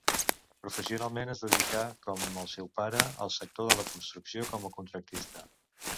Professionalment es dedicà, com el seu pare, al sector de la construcció com a contractista.